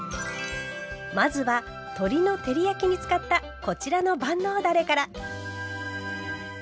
まずは鶏の照り焼きに使ったこちらの万能だれから。